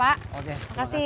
udah bayar pake aplikasi ya pak